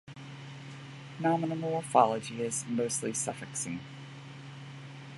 Nominal morphology is mostly suffixing.